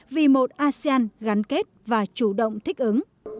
vì một asean gắn kết và chủ động thích ứng